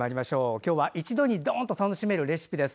今日は一度にドーンと楽しめるレシピです。